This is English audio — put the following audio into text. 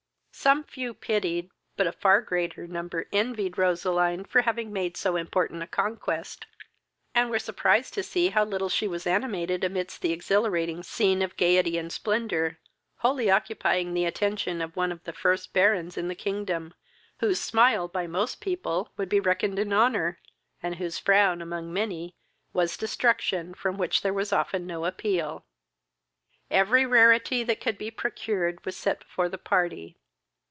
Some few pitied, but a far greater number envied Roseline for having made so important a conquest, and were surprised to see how little she was animated amidst the exhilirating scene of gaiety and splendor, wholly occupying the attention of one of the first barons in the kingdom, whose smile by most people would be reckoned an honour, and whose frown among many was destruction from which there was often no appeal. Every rarity that could be procured was set before the party.